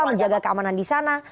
menjaga keamanan di sana